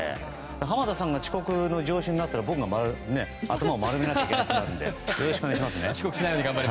濱田さんが遅刻の常習になったら僕が頭を丸めないといけないのでお願いしますね。